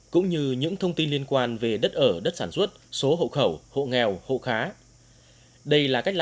cũng như những thông tin liên quan về đất ở đất sản xuất số hộ khẩu hộ nghèo hộ khá